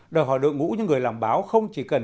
đòi hỏi đội ngũ những người làm báo không chỉ cần